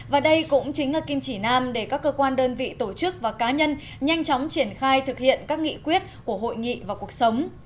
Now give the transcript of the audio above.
và đây cũng chính là kim chỉ nam để các cơ quan đơn vị tổ chức và cá nhân nhanh chóng triển khai thực hiện các nghị quyết của hội nghị và cuộc sống